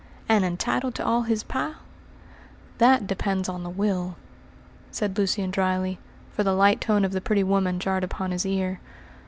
"And entitled to all his pile?" "That depends on the will," said Lucian dryly, for the light tone of the pretty woman jarred upon his ear.